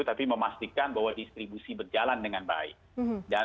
tapi memastikan bahwa listrik air dan sebagainya tetap berjalan